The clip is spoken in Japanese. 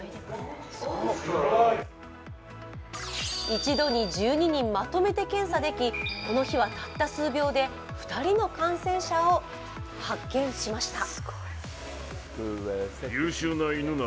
一度に１２人まとめて検査でき、この日はたった数秒で２人の感染者を発見しました。